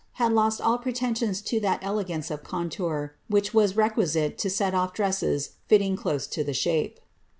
very hi^ had lost all pretensiioDs to that elegance of contour which requisite to set off dresses fitting close to the shape.